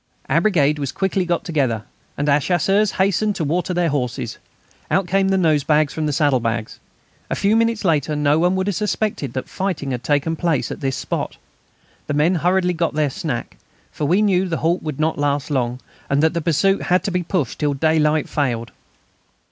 Our brigade was quickly got together, and our Chasseurs hastened to water their horses. Out came the nosebags from the saddlebags. A few minutes later no one would have suspected that fighting had taken place at this spot. The men hurriedly got their snack, for we knew the halt would not last long, and that the pursuit had to be pushed till daylight failed.